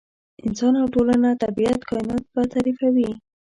انسان او ټولنه، طبیعت، کاینات به تعریفوي.